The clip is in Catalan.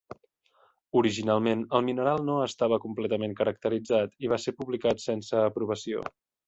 Originalment el mineral no estava completament caracteritzat i va ser publicat sense aprovació.